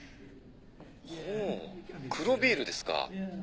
ほう黒ビールですか。